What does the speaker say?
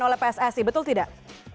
oleh pssi betul tidak